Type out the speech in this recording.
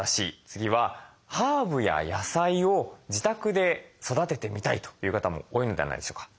次はハーブや野菜を自宅で育ててみたいという方も多いのではないでしょうか。